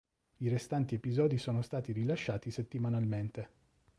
I restanti episodi sono stati rilasciati settimanalmente.